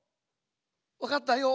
わかったよ。